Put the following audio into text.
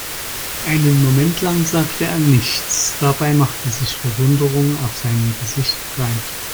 Einen Moment lang sagte er nichts, dabei machte sich Verwunderung auf seinem Gesicht breit.